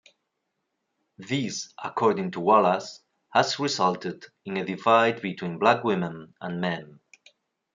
This, according to Wallace, has resulted in a divide between black women and men.